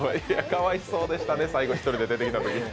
かわいそうでした、最後、１人で出てきたときね。